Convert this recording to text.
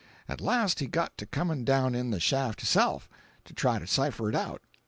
At last he got to comin' down in the shaft, hisself, to try to cipher it out.